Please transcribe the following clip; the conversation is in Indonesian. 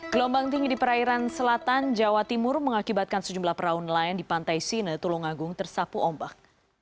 gelombang tinggi di perairan selatan jawa timur mengakibatkan sejumlah perahu nelayan di pantai sine tulungagung tersapu ombak